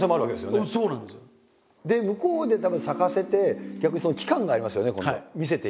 で向こうでたぶん咲かせて逆に期間がありますよね今度は見せている。